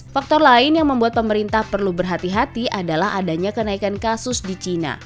faktor lain yang membuat pemerintah perlu berhati hati adalah adanya kenaikan kasus di cina